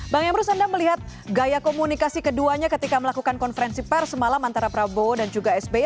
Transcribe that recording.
bang emrus anda melihat gaya komunikasi keduanya ketika melakukan konferensi pers semalam antara prabowo dan juga sby